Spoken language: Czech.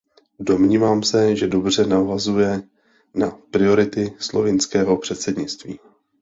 Domnívám se, že dobře navazuje na priority slovinského předsednictví.